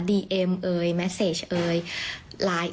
ดีเอ็มแมสเซจไลน์